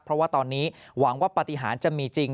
เพราะว่าตอนนี้หวังว่าปฏิหารจะมีจริง